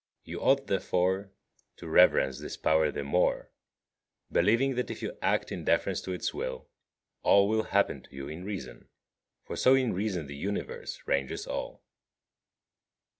You ought, therefore, to reverence this power the more, believing that if you act in deference to its will, all will happen to you in reason; for so in reason the Universe ranges all.